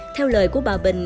theo lời của bà bình